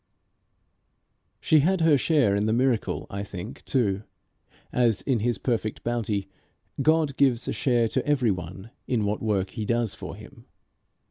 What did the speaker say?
She had her share in the miracle I think too, as, in his perfect bounty, God gives a share to every one in what work He does for him.